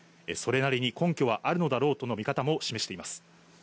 それなりに根拠はあるのだろうとの見方も示しています。